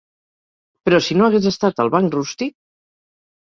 Però si no hagués estat el banc rústic...